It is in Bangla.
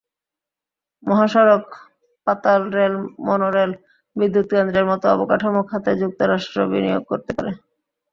মহাসড়ক, পাতালরেল, মনোরেল, বিদ্যুৎকেন্দ্রের মতো অবকাঠামো খাতে যুক্তরাষ্ট্র বিনিয়োগ করতে পারে।